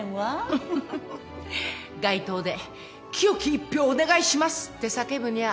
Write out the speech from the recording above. フフフ街頭で「清き一票をお願いします」って叫ぶにゃあ